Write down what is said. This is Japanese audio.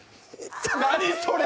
何それ？